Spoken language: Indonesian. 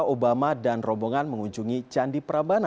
obama dan robongan mengunjungi candi